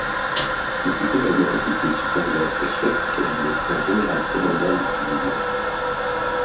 Il fut également officier supérieur et chef du cabinet d'un général commandant de division.